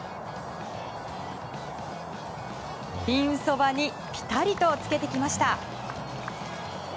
ピンそばにピタリとつけてきました。